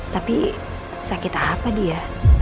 tapi sakit apa dia